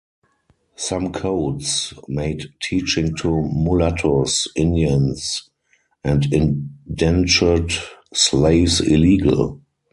Some codes made teaching to mulattos, Indians and indentured slaves illegal.